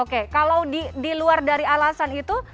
oke kalau di luar dari alasan itu